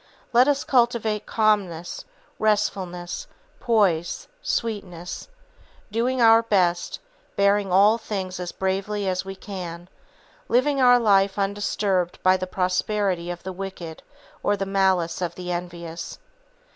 Let us cultivate calmness, restfulness, poise, sweetness, doing our best, bearing all things as bravely as we can; living our life undisturbed by the prosperity of the wicked or the malice of the envious.